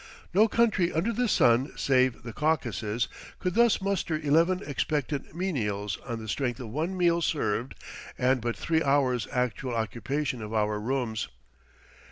No country under the sun save the Caucasus could thus muster eleven expectant menials on the strength of one meal served and but three hours actual occupation of our rooms.